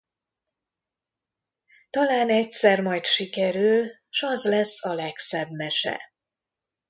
Talán egyszer majd sikerül, s az lesz a legszebb mese.